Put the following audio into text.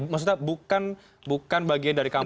maksudnya bukan bagian dari kampanye